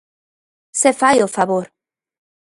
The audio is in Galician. Se fai o favor.